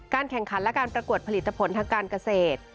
แข่งขันและการประกวดผลิตผลทางการเกษตร